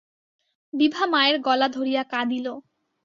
বিভা মায়ের গলা ধরিয়া কাঁদিল।